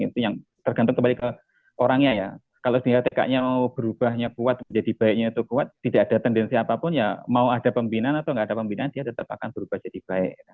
tetap akan berubah jadi baik